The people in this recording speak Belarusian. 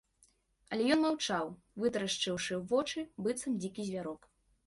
Але ён маўчаў, вытарашчыўшы вочы, быццам дзікі звярок.